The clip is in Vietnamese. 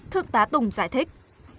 thượng tá tùng giải thích